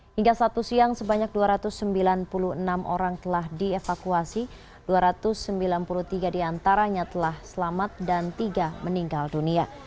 hingga satu siang sebanyak dua ratus sembilan puluh enam orang telah dievakuasi dua ratus sembilan puluh tiga diantaranya telah selamat dan tiga meninggal dunia